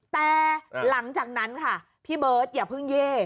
แต่หลังจากนั้นค่ะพี่เบิร์ตอย่าเพิ่งเย่